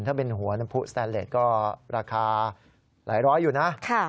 ถ้าเป็นหัวน้ำผู้สแตนเลสก็ราคาหลายร้อยอยู่นะ